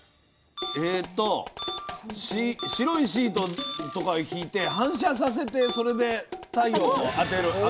えと白いシートとかひいて反射させてそれで太陽を当てる。